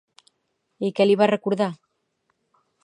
I què li va recordar?